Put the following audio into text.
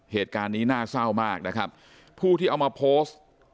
เหตุการณ์นี้น่าเศร้ามากนะครับผู้ที่เอามาโพสต์